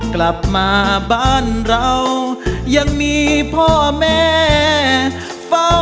กลับมาบ้านเรายังมีพ่อแม่เฝ้า